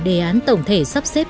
đề án tổng thể sắp xếp